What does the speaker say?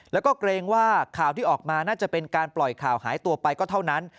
แล้วก็เกรงว่าข่าวที่ออกมาน่าจะเป็นการปล่อยข่าวหายตัวไปก็เท่านั้น